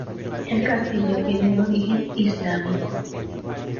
El castillo tiene un origen islámico.